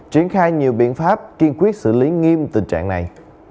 triển khai nhiều biện pháp kiên quyết xử lý nghiêm tình trạng này